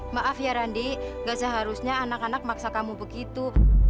maaf ya randi gak seharusnya anak anak maksa kamu begitu